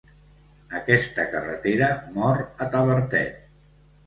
Aquesta carretera mor a Tavertet.